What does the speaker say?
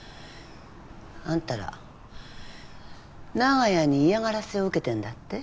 あんたら長屋に嫌がらせを受けてるんだって？